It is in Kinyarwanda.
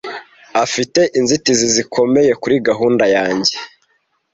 Afite inzitizi zikomeye kuri gahunda yanjye.